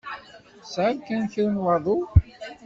Tesεiḍ kan kra n waḍu.